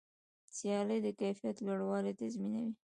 سیالي د کیفیت لوړوالی تضمینوي.